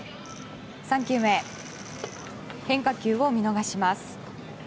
３球目、変化球を見逃します。